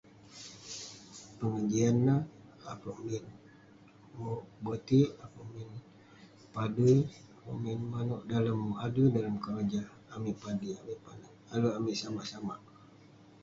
Pengejian neh, akouk botik, akouk min padui, akouk min manouk dalem adui, dalem keroja amik padik..alek amik samak samak.